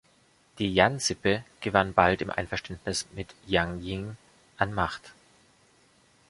Die Yan-Sippe gewann bald im Einverständnis mit Jiang Jing an Macht.